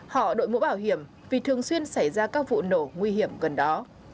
họ đội mũ bảo hiểm vì thường xuyên xảy ra các vụ nổ nguy hiểm gần đó